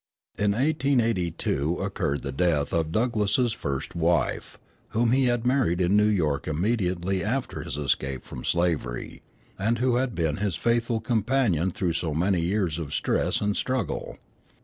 In 1882 occurred the death of Douglass's first wife, whom he had married in New York immediately after his escape from slavery, and who had been his faithful companion through so many years of stress and struggle.